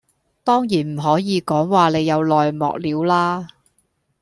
當然唔可以講話你有內幕料啦